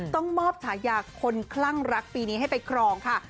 ต้องมอบฉายาคนคลั่งรักปีนี้ให้ไปครองค่ะ